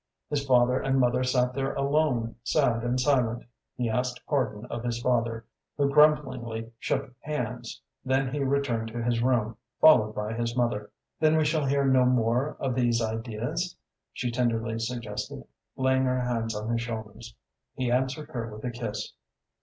His father and mother sat there alone, sad and silent. He asked pardon of his father, who grumblingly shook hands; then he returned to his room, followed by his mother. "Then we shall hear no more of these ideas?" she tenderly suggested, laying her hands on his shoulders. He answered her with a kiss.